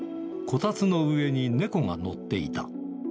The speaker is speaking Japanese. こたつの上に猫が乗っていた。